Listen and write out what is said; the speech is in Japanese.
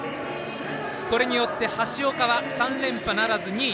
これによって、橋岡は３連覇ならず２位。